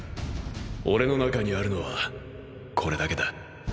俺の中にあるのはこれだけだ。